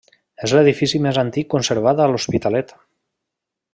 És l'edifici més antic conservat a l'Hospitalet.